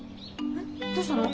どうしたの？